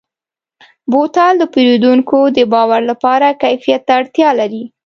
بوتل د پیرودونکو د باور لپاره کیفیت ته اړتیا لري.